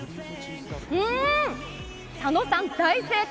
うーん！佐野さん、大正解！